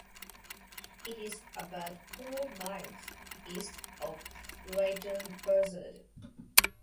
It is about four miles east of Leighton Buzzard.